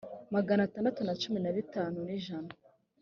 magana atandatu na cumi na bitatu n ijana